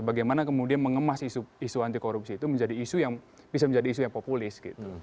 bagaimana kemudian mengemas isu anti korupsi itu menjadi isu yang bisa menjadi isu yang populis gitu